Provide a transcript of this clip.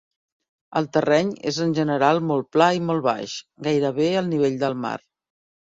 El terreny és en general molt pla i molt baix, gairebé al nivell del mar.